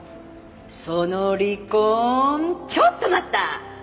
「その離婚ちょっと待った！」